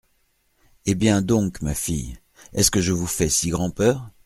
Eh bien, donc, ma fille ! est-ce que je vous fais si grand’peur ?